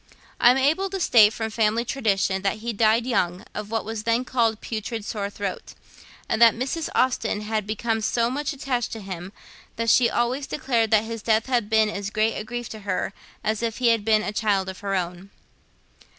I am able to state, from family tradition, that he died young, of what was then called putrid sore throat; and that Mrs. Austen had become so much attached to him that she always declared that his death had been as great a grief to her as if he had been a child of her own.